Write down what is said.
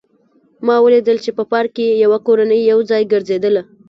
ما ولیدل چې په پارک کې یوه کورنۍ یو ځای ګرځېدله